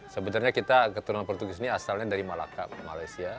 sebenarnya kita keturunan portugis ini asalnya dari malaka malaysia